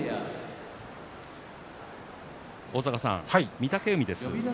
御嶽海です。